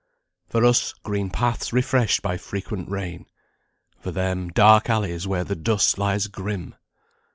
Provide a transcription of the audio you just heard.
For us green paths refreshed by frequent rain, For them dark alleys where the dust lies grim!